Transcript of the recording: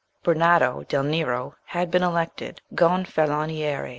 Bernardo del Nero had been elected Gonfaloniere.